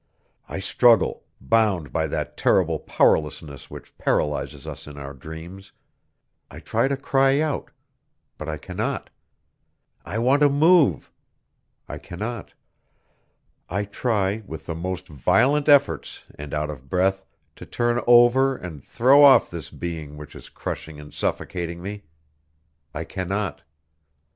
I struggle, bound by that terrible powerlessness which paralyzes us in our dreams; I try to cry out but I cannot; I want to move I cannot; I try, with the most violent efforts and out of breath, to turn over and throw off this being which is crushing and suffocating me I cannot!